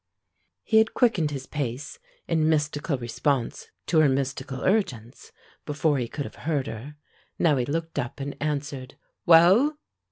He had quickened his pace in mystical response to her mystical urgence, before he could have heard her; now he looked up and answered, "Well?"